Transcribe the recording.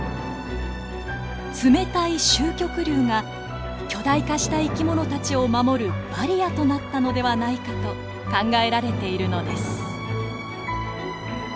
冷たい周極流が巨大化した生き物たちを守るバリアとなったのではないかと考えられているのです。